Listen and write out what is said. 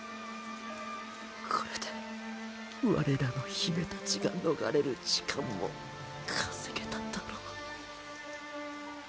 これで我らの姫たちが逃れる時間も稼げただろう